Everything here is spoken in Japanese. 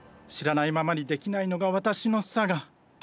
知らないままにできないのが私の性。